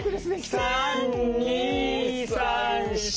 ３２３４。